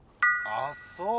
あっそう！